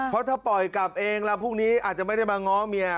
เพราะถ้าปล่อยกลับเองแล้วพรุ่งนี้อาจจะไม่ได้มาง้อเมีย